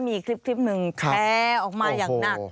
มีคลิปหนึ่งแชร์ออกมาอย่างหนัก